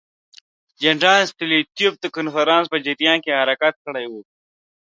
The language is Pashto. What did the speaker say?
جنرال ستولیتوف د کنفرانس په جریان کې حرکت کړی وو.